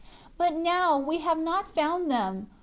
7 But now, we have not found them.